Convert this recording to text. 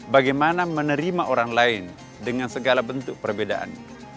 bagaimana menerima orang lain dengan segala bentuk perbedaan